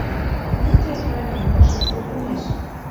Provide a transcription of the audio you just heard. Мутя йӓлӹм, ыш гӹц колтымеш.